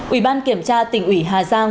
ủy ban kiểm tra tỉnh ủy hà giang